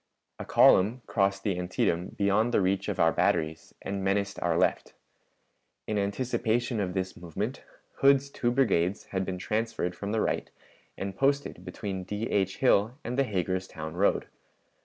A column crossed the Antietam beyond the reach of our batteries and menaced our left. In anticipation of this movement Hood's two brigades had been transferred from the right and posted between D. H. Hill and the Hagerstown road.